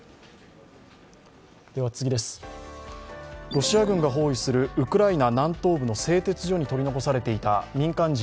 ロシア軍が包囲するウクライナ南東部の製鉄所に取り残されていた民間人